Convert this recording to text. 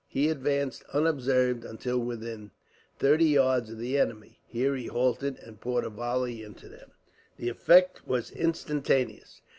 He advanced, unobserved, until within thirty yards of the enemy. Here he halted, and poured a volley into them. The effect was instantaneous.